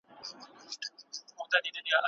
اودس د روح او بدن صفايي ده.